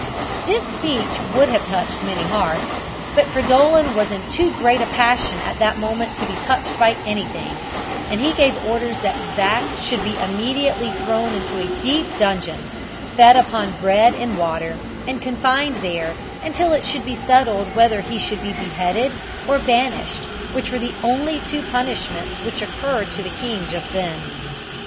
This speech would have touched many hearts, but Fridolin was in too great a passion at that moment to be touched by anything, and he gave orders that Zac should immediately be thrown into a deep dungeon, fed upon bread and water, and confined there until it should be settled whether he should be beheaded or banished, which were the only two punishments which occurred to the king just then.